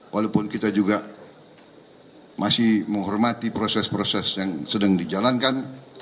walaupun kita juga masih menghormati proses proses yang sedang dijalankan